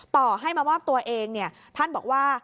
ต่อให้มามอบตัวเองท่านบอกว่า